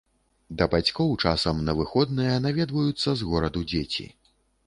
Да бацькоў часам на выходныя наведваюцца з гораду дзеці.